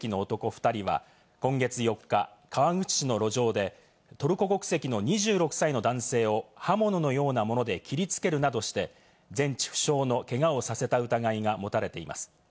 ２人は今月４日、川口市の路上で、トルコ国籍の２６歳の男性を刃物のようなもので切り付けるなどして全治不詳のけがをさせた疑いが持たれています。